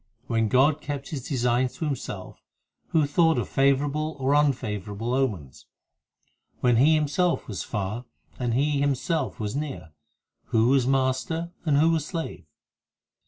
When God kept His designs to Himself, Who thought of favourable or unfavourable omens ? When He Himself was far and He Himself was near, Who was Master and who was slave